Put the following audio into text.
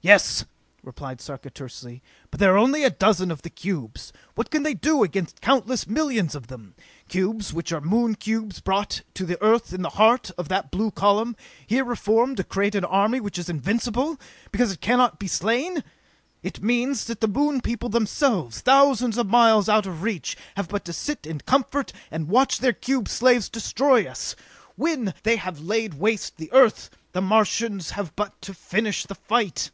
"Yes," replied Sarka tersely, "but there are only a dozen of the cubes. What can they do against countless millions of them? Cubes which are Moon cubes, brought to the Earth in the heart of that blue column, here reformed to create an army which is invincible, because it cannot be slain! It means that the Moon people themselves, thousands of miles out of our reach, have but to sit in comfort and watch their cube slaves destroy us! When they have laid waste the Earth, the Martians have but to finish the fight!"